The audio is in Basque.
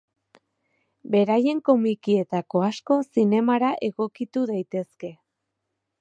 Beraien komikietako asko zinemara egokitu daitezke.